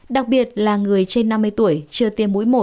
đặc biệt là người trên năm mươi tuổi chưa tiêm mũi một